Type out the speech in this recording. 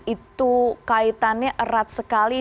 itu kaitannya erat sekali